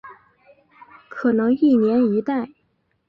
可能一年一代。